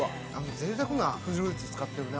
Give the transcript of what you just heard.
ぜいたくなフルーツ使ってるね。